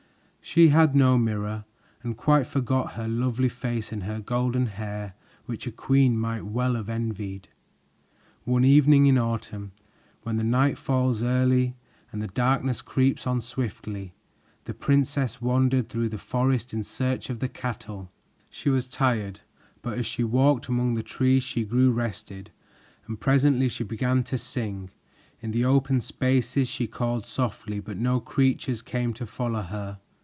She had no mirror and quite forgot her lovely face and her golden hair, which a queen might well have envied. One evening in autumn, when the night falls early and the darkness creeps on swiftly, the princess wandered through the forest in search of the cattle. She was tired, but as she walked among the trees she grew rested, and presently she began to sing. In the open spaces she called softly, but no creatures came to follow her.